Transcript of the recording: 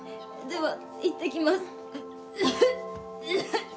ではいってきます。